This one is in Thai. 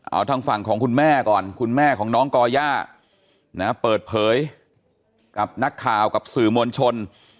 เอาทางฝั่งของคุณแม่ก่อนคุณแม่ของน้องก่อย่านะเปิดเผยกับนักข่าวกับสื่อมวลชน